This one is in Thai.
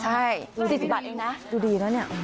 ใช่๔๐บาทดูดีแล้วนี่